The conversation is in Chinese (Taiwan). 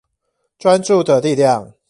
專注的力量